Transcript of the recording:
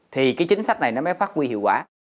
thì cái chính sách này nó mới phát huy hiệu quả